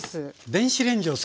電子レンジを使う？